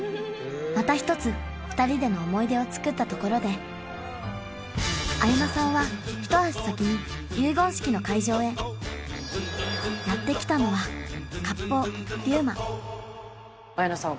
また一つ２人での思い出を作ったところで綾菜さんは一足先に結言式の会場へやって来たのは綾菜さん